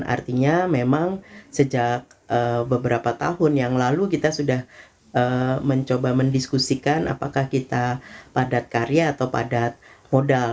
artinya memang sejak beberapa tahun yang lalu kita sudah mencoba mendiskusikan apakah kita padat karya atau padat modal